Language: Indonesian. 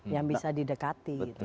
yang bisa didekati